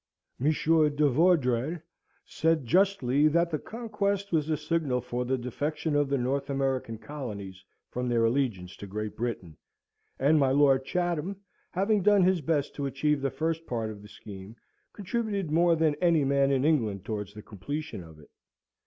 Monsieur de Vaudreuil said justly that that conquest was the signal for the defection of the North American colonies from their allegiance to Great Britain; and my Lord Chatham, having done his best to achieve the first part of the scheme, contributed more than any man in England towards the completion of it.